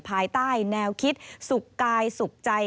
ภายใต้แนวคิดสุขกายสุขใจ